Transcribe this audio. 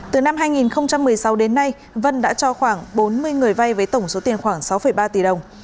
từ năm hai nghìn một mươi sáu đến nay vân đã cho khoảng bốn mươi người vay với tổng số tiền khoảng sáu ba tỷ đồng